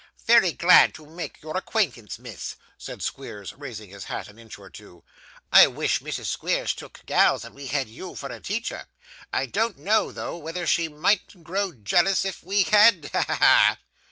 'Very glad to make your acquaintance, miss,' said Squeers, raising his hat an inch or two. 'I wish Mrs. Squeers took gals, and we had you for a teacher. I don't know, though, whether she mightn't grow jealous if we had. Ha! ha! ha!